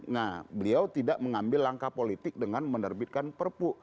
nah beliau tidak mengambil langkah politik dengan menerbitkan perpu